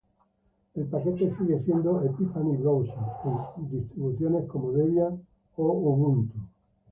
El paquete sigue siendo "epiphany-browser" en distribuciones como Debian o Ubuntu.